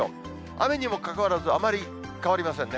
雨にもかかわらず、あまり変わりませんね。